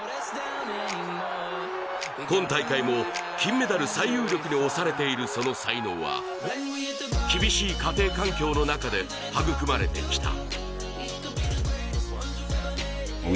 今大会も金メダル最有力に推されているその才能は厳しい家庭環境の中で育まれてきた。